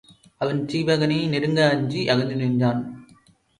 அவன் சீவகனை நெருங்க அஞ்சி அகன்று நின்றான்.